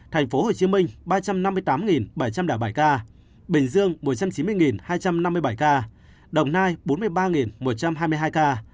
thành phố hồ chí minh ba trăm năm mươi tám bảy trăm linh đảo bảy ca bình dương một trăm chín mươi hai trăm năm mươi bảy ca đồng nai bốn mươi ba một trăm hai mươi hai ca